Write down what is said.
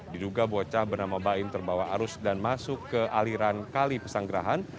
diduga bocah bernama bain terbawa arus dan masuk ke aliran kali pesanggerahan